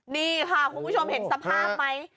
นี่ค่ะคุณผู้ชมเห็นสภาพไหม